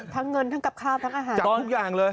ทั้งเงินทั้งกับข้าวทั้งอาหารจองทุกอย่างเลย